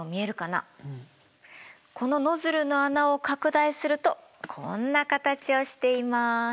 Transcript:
このノズルの穴を拡大するとこんな形をしています。